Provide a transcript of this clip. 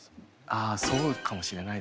あそうかもしれないですね。